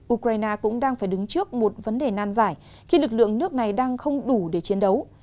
ukraine cũng đang phải đứng trước một vấn đề nan giải khi lực lượng nước này đang không đủ để chiến đấu